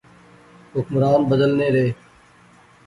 حکمران بدلنے رہے